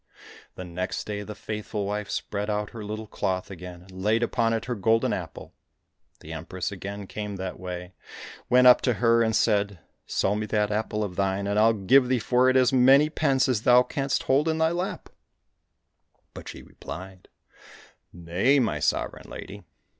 The next day the faithful wife spread out her little cloth again, and laid upon it her golden apple. The Empress again came that way, went up to her, and said, " Sell me that apple of thine, and I'll give thee for it as many pence as thou canst hold in thy lap !"— But she replied, " Nay, my sovereign lady